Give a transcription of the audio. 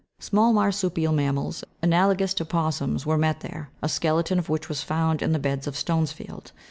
Small marsupial mammals, analogous to opossums, were met there, a skeleton of which was found in the beds of Stonesfield.